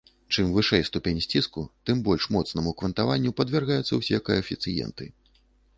Чым вышэй ступень сціску, тым больш моцнаму квантаванню падвяргаюцца ўсе каэфіцыенты.